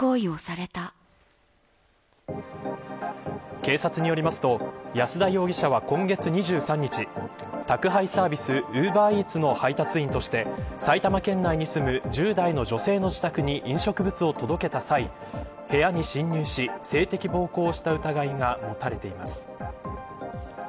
警察によりますと安田容疑者は、今月２３日宅配サービスウーバーイーツの配達員として埼玉県内に住む１０代の女性の自宅に飲食物を届けた際、部屋に侵入し性的暴行をした疑いが持たれています。